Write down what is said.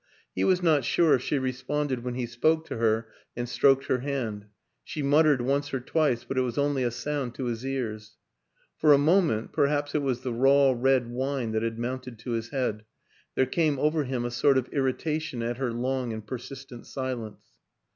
He was not sure if she responded when he spoke to her and stroked her hand ; she muttered once or twice but it was only a sound to his ears. For a moment perhaps it was the raw, red wine that had mounted to his head there came over him a sort of irritation at her long and persistent silence.